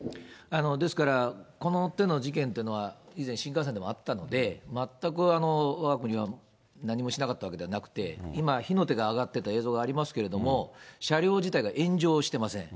ですから、この手の事件っていうのは以前新幹線でもあったので、全くわが国は何もしなかったわけではなくて、今、火の手が上がってた映像がありますけれども、車両自体が炎上してません。